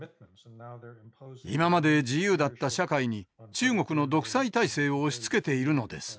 今まで自由だった社会に中国の独裁体制を押しつけているのです。